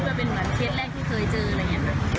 แลก็โทนมาพี่เขาเทศกิตเขาช่วยโทนให้